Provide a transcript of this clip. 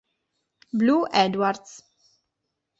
Blue Edwards